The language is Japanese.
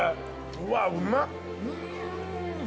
◆うわっ、うま！